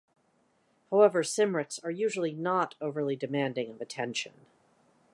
However, Cymrics are usually not overly demanding of attention.